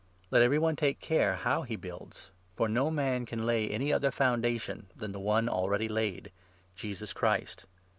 Let every one take care how he builds ; for no man can lay any other foundation than the 1 1 one already laid — Jesus Christ.